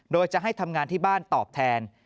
โดยจะให้ทำงานที่บ้านตอบแทน